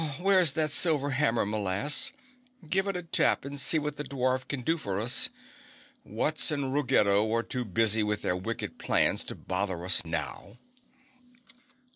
Where's that silver hammer, m'lass? Give it a tap and see what the dwarf can do for us? Wutz and Ruggedo are too busy with their wicked plans to bother us now."